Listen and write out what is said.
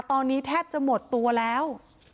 ตอนนี้แทบจะหมดตัวแล้ว